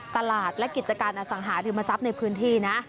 ตลาดและกิจการอสังหาศือมศัพท์ในพื้นที่